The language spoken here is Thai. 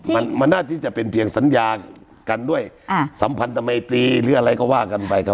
มันมันน่าที่จะเป็นเพียงสัญญากันด้วยสัมพันธมัยตรีหรืออะไรก็ว่ากันไปครับ